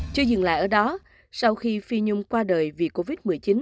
chưa dừng lại ở đó sau khi phi nhung qua đời vì covid một mươi chín